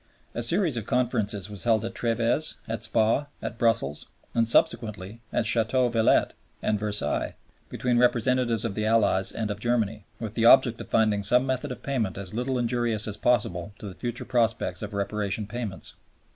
A series of Conferences was held at TrËves, at Spa, at Brussels, and subsequently at Ch‚teau Villette and Versailles, between representatives of the Allies and of Germany, with the object of finding some method of payment as little injurious as possible to the future prospects of Reparation payments.